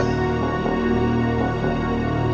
maaf banget ya